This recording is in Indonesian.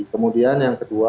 kemudian yang kedua